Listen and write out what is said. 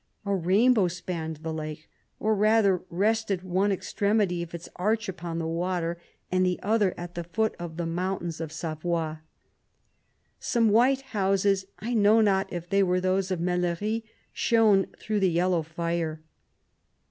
A rainbow spanned the lake, or rather rested one extremity of its arch upon the water, and the other at the foot of the moun 139 tains of Savoy, Some white houses, I know not if they were those of Mel lerie, shone through the yellow fire.